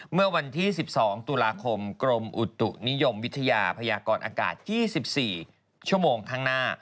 เมื่อวันที่๑๒ตุลาคมกรมอุตุนิยมวิทยาพยากรอากาศ๒๔ชั่วโมงข้างหน้า